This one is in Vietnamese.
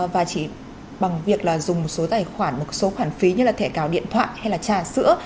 và chỉ bằng việc dùng một số tài khoản một số khoản phí như thẻ gạo điện thoại hay trà sữa